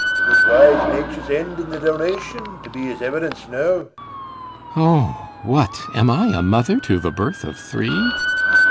It was wise nature's end in the donation, To be his evidence now. CYMBELINE. O, what am I? A mother to the birth of three?